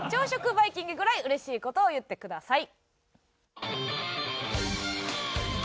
バイキングぐらいうれしい事を言ってください。